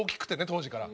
当時から。